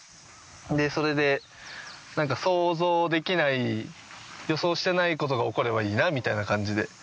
でそれでなんか想像できない予想していないことが起こればいいなみたいな感じで。